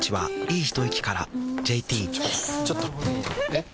えっ⁉